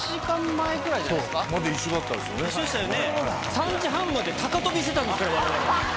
３時半まで高跳びしてたんですからわれわれ。